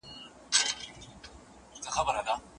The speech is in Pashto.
د پټي پوله رېبل کېږي.